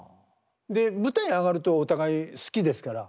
で舞台上がるとお互い好きですから。